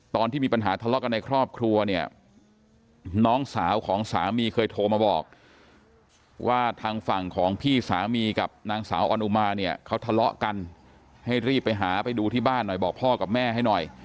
ตอนที่มีปัญหาทะเลาะกันในครอบครัวเนี่ยน้องสาวของสามีเคยโทรมาบอกว่าทางฝั่งของพี่สามีกับนางสาวออนอุมาเนี่ยเขาทะเลาะกันให้รีบไปหาไปดูที่บ้านหน่อยบอกพ่อกับแม่ให้หน่อย